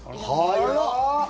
早っ！